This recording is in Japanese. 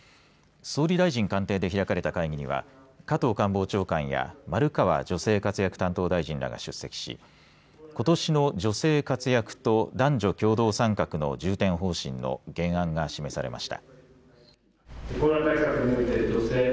総理大臣官邸で開かれた会議は加藤官房長官や丸川女性活躍担当大臣らが出席しことしの女性活躍と男女共同参画の重点方針の原案が示されました。